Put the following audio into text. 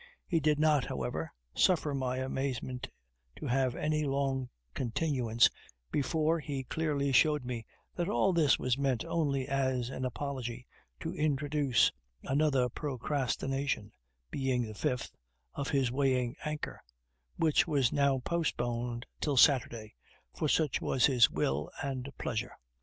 He did not, however, suffer my amazement to have any long continuance before he clearly showed me that all this was meant only as an apology to introduce another procrastination (being the fifth) of his weighing anchor, which was now postponed till Saturday, for such was his will and pleasure.